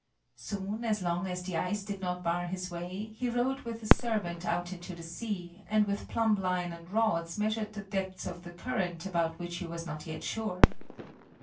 Soon, as long as the ice did not bar his way, he rowed with a servant out into the sea and with plumb line and rods measured the depths of the currents about which he was not yet sure.